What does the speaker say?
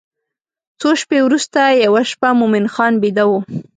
څو شپې وروسته یوه شپه مومن خان بیده و.